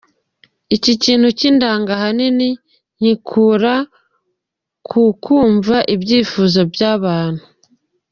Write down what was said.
Iki kintu kindanga ahanini ngikura ku kumva ibyifuzo by’abantu.